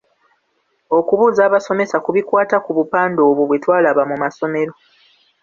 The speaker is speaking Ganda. Okubuuza abasomesa ku bikwata ku bupande obwo bwe twalaba mu masomero.